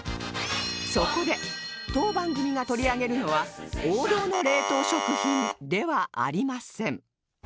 そこで当番組が取り上げるのは王道の冷凍食品ではありません